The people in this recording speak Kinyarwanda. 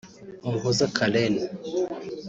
Umuhoza Karen